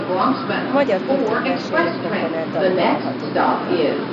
Magyar költők verseire komponált dalok hallhatók rajta.